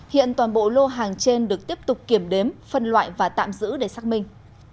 hiện toàn bộ lô hàng trên được tiếp tục kiểm đếm phân loại và tạm giữ để xác minh